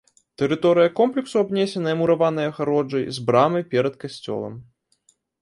Тэрыторыя комплексу абнесеная мураванай агароджай з брамай перад касцёлам.